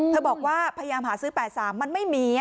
บอกว่าพยายามหาซื้อ๘๓มันไม่มี